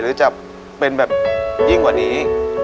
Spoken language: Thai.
หรือจะเป็นแบบยิ่งกว่านี้